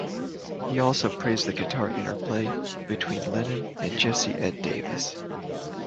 He also praises the guitar interplay between Lennon and Jesse Ed Davis.